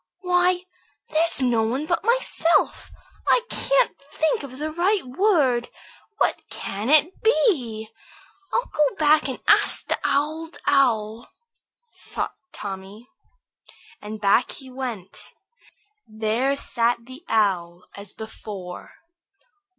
"Why, there's no one but myself. I can't think of the right word. What can it be? I'll go back and ask the Old Owl," thought Tommy. And back he went. There sat the Owl as before.